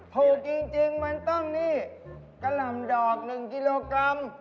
ถูกจริงมันต้องนี่กะหล่ำดอก๑กิโลกรัม